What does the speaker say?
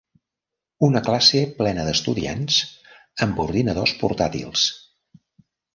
Una classe plena d'estudiants amb ordinadors portàtils.